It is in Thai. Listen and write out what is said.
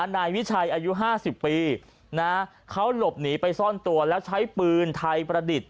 นายวิชัยอายุ๕๐ปีเขาหลบหนีไปซ่อนตัวแล้วใช้ปืนไทยประดิษฐ์